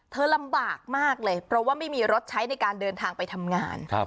ลำบากมากเลยเพราะว่าไม่มีรถใช้ในการเดินทางไปทำงาน